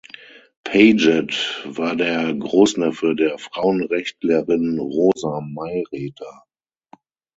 Paget war der Großneffe der Frauenrechtlerin Rosa Mayreder.